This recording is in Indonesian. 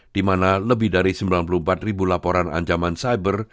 dimana lebih dari sembilan puluh empat laporan ancaman cyber